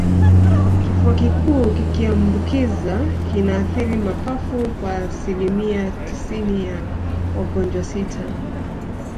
Kifua kikuu kikiambukiza kinaathiri mapafu kwa asilimia tisini ya wagonjwa sita